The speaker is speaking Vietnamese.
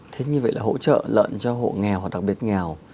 thế như vậy là hỗ trợ lợn cho hộ nghèo hoặc đặc biệt nghèo